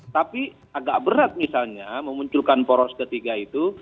tapi agak berat misalnya memunculkan poros ketiga itu